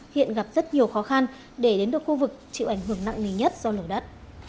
hiện gặp rất nhiều khó khăn để đến được khu vực chịu ảnh hưởng nặng nề nhất do lở đất